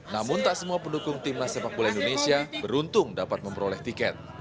namun tak semua pendukung tim nasepak gula indonesia beruntung dapat memperoleh tiket